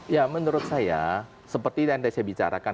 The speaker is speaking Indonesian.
ya menurut saya seperti yang tadi saya bicarakan